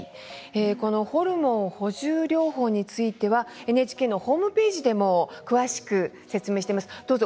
ホルモン補充療法についてはＮＨＫのホームページにも詳しく説明しています。